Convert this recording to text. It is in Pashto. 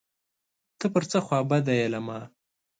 ته پر څه خوابدی یې له ما